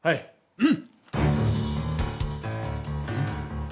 うん。